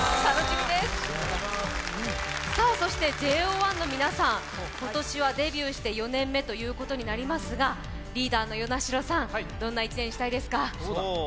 そしてＪＯ１の皆さん、今年はデビューして４年目となりますがリーダーの與那城さん、どんな一年にしたいですか。